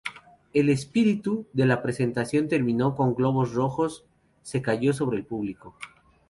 El "espíritu" de la presentación terminó con globos rojos se cayó sobre el público.